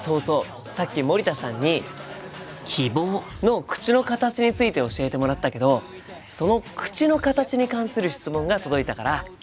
さっき森田さんに「希望」の口の形について教えてもらったけどその口の形に関する質問が届いたから紹介するね。